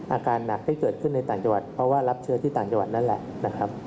อาการหนักที่เกิดขึ้นในต่างจังหวัดเพราะว่ารับเชื้อที่ต่างจังหวัดนั่นแหละนะครับ